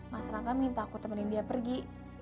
mas rangga minta aku temenin dia pergi